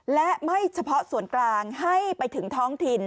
และไม่เฉพาะส่วนกลางให้ไปถึงท้องถิ่น